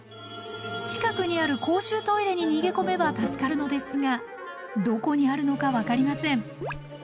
近くにある公衆トイレに逃げ込めば助かるのですがどこにあるのか分かりません。